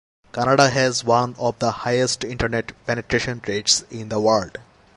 Canada has one of the highest internet penetration rates in the world.